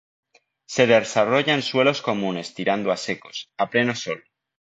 Se desarrolla en suelos comunes tirando a secos, a pleno sol.